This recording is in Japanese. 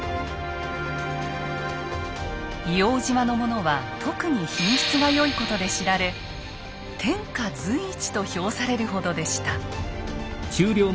硫黄島のものは特に品質が良いことで知られ天下随一と評されるほどでした。